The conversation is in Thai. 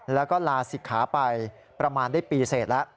แล้วก็ลาศิกขาไปประมาณได้ปีเสร็จแล้ว